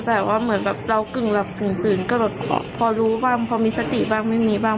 แต่ว่าเหมือนครับเป็นครัวหลักฐานครึ่งหลับครึ่งตื่น